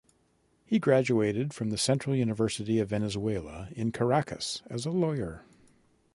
He graduated from the Central University of Venezuela in Caracas as a lawyer.